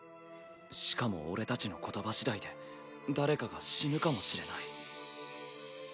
しかも俺たちの言葉しだいで誰かが死ぬかもしれない。